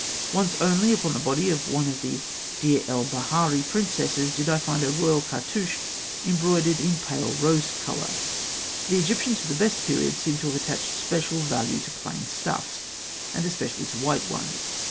Once only, upon the body of one of the Deir el Baharî princesses, did I find a royal cartouche embroidered in pale rose colour. The Egyptians of the best periods seem to have attached special value to plain stuffs, and especially to white ones.